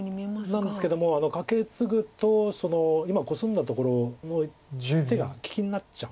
なんですけどもカケツぐと今コスんだところの手が利きになっちゃうんですよね。